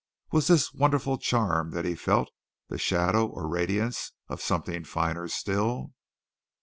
Was this wonderful charm that he felt the shadow or radiance of something finer still?